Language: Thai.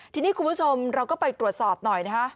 ทีนี้คุณผู้ชมเราก็ไปตรวจสอบหน่อยนะฮะ